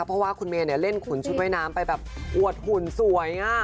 เพราะว่าคุณเมย์เล่นขุนชุดว่ายน้ำไปแบบอวดหุ่นสวย